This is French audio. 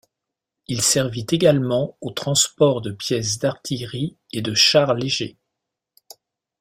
Il servit également au transport de pièces d’artillerie et de chars légers.